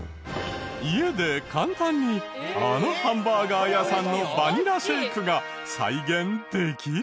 家で簡単にあのハンバーガー屋さんのバニラシェイクが再現できる？